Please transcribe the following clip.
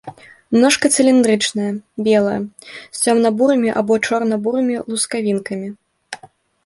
Ножка цыліндрычная, белая з цёмна-бурымі або чорна-бурымі лускавінкамі.